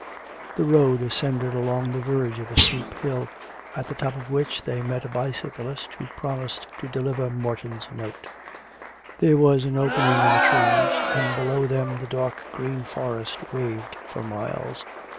The road ascended along the verge of a steep hill, at the top of which they met a bicyclist who promised to deliver Morton's note. There was an opening in the trees, and below them the dark green forest waved for miles.